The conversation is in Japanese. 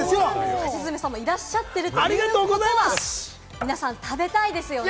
橋爪さんがいらっしゃってるということは、皆さん、食べたいですよね？